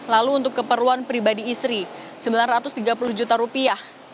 lalu untuk keperluan pribadi istri sembilan ratus tiga puluh juta rupiah